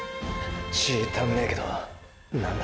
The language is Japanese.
血ィ足んねェけど何だ